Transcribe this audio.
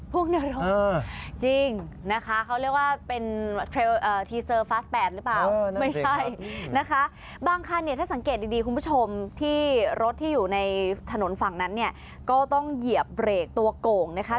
พ่วงนรกจริงนะคะเขาเรียกว่าเป็นทีเซอร์ฟาส๘หรือเปล่า